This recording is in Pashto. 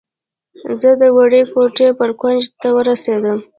زه د وړې کوټې بر کونج ته ورسېدم.